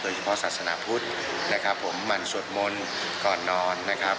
เฉพาะศาสนาพุทธนะครับผมมันสวดมนต์ก่อนนอนนะครับ